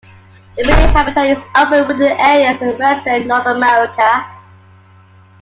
Their breeding habitat is open wooded areas in western North America.